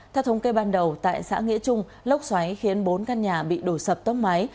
theo thống kê ban đầu tại xã nghĩa trung lốc xoáy khiến bốn căn nhà bị đổ sập tốc máy